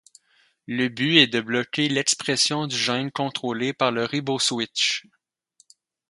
Le but est de bloquer l'expression du gène contrôlé par le riboswitch.